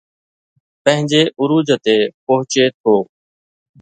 پنهنجي عروج تي پهچي ٿو